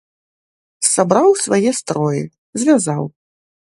Сабраў свае строі, звязаў.